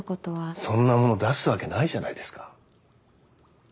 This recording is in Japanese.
そんなもの出すわけないじゃないですか。